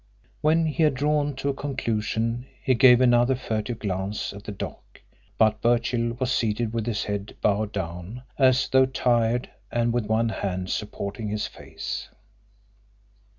When he had drawn to a conclusion he gave another furtive glance at the dock, but Birchill was seated with his head bowed down, as though tired, and with one hand supporting his face.